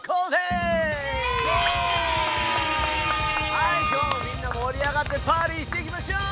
はい今日もみんなもり上がってパーティーしていきましょう！